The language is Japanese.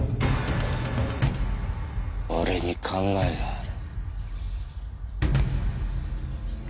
俺に考えがある。